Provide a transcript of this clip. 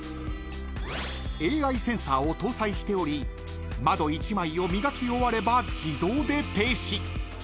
［ＡＩセンサーを搭載しており窓１枚を磨き終われば自動で停止］